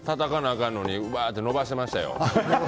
かんのにうわーって伸ばしてましたよ。